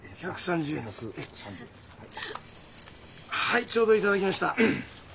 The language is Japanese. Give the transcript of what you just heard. はいちょうど頂きました。